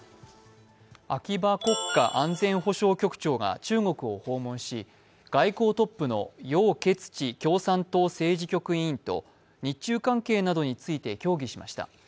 秋葉国家安全保障局長が中国を訪問し外交トップの楊潔チ共産党政治局委員と、日中関係などについて協議しました。